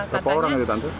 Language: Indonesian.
berapa orang tadi